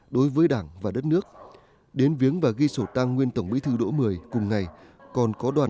đối với đảng và đất nước đến viếng và ghi sổ tăng nguyên tổng bí thư độ một mươi cùng ngày còn có đoàn